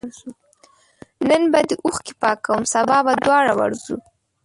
نن به دي اوښکي پاکوم سبا به دواړه ورځو